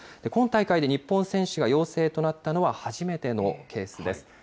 今大会で、日本選手が陽性となったのは初めてのケースです。